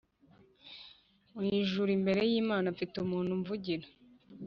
Mu ijuru imbere y’Imana mfite umuntu umvugira